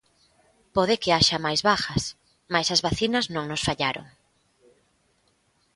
Pode que haxa máis vagas, mais as vacinas non nos fallaron.